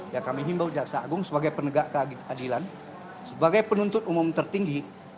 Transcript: ya kami himbau jaksa agung sebagai penegak keadilan sebagai penuntut umum tertinggi